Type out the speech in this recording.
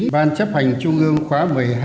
ban chấp hành trung ương khóa một mươi hai